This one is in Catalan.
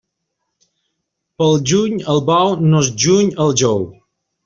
Pel juny el bou no es juny al jou.